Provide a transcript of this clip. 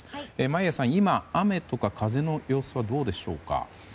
今、雨とか風の様子はどうでしょうか。